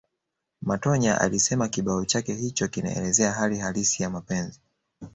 Matonya alisema kibao chake hicho kinaelezea hali halisi ya mapenzi